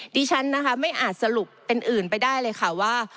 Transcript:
ดิฉันนะคะไม่อาจสรุปเป็นอื่นไปได้เลยค่ะว่า